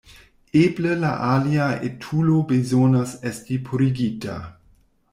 Eble la alia etulo bezonas esti purigita.